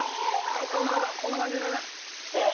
こんな感じだこんな感じでねえっ